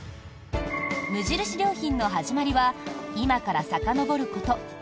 無印良品の始まりは今からさかのぼること